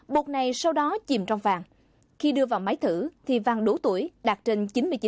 bột này sau đó chìm trong vàng khi đưa vào máy thử thì vàng đủ tuổi đạt trên chín mươi chín